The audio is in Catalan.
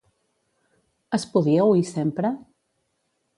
Es podia oir sempre?